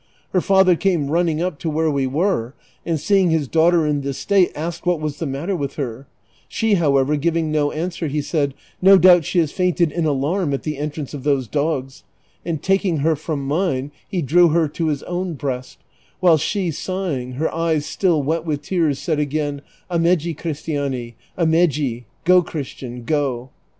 Her father came running up to wliere we were, and seeing his daughter in this state asked what was the mat ter with her; she, however, giving no answer, he said, " No doubt she has fainted in alarm at the entrance of those dogs," and taking her from mine he drew her to his own breast, while she sighing, her eyes still wet with tears, said again, " Ameji, cristiano, ameji "—" Go, Christian, go."